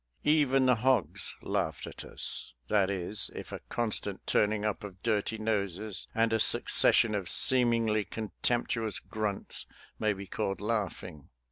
Even the hogs laughed at us — that is, if a constant turning up of dirty noses and a succession of seemingly contemptu ous grunts may be called laughing.